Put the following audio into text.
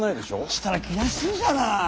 そしたら悔しいじゃない！